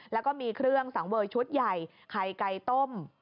แล้วก็มีเครื่องสังเวยชุดใหญ่ไข่ไก่ต้ม